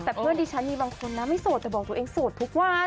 แต่เพื่อนดิฉันมีบางคนนะไม่โสดแต่บอกตัวเองโสดทุกวัน